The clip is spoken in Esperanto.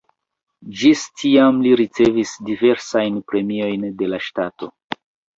Ĝis tiam li ricevis diversajn premiojn de la ŝtato.